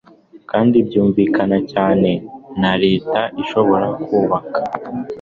Kandi byumvikana cyane. Nta leta ishobora kubaka